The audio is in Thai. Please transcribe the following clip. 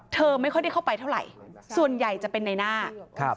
ไม่ค่อยได้เข้าไปเท่าไหร่ส่วนใหญ่จะเป็นในหน้าครับ